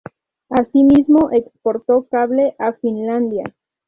Asimismo exportó cable a Finlandia.